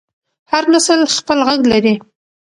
هر نسل خپل غږ لري